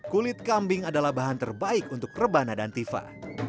kulit kambing adalah bahan terbaik untuk rebana dan tifa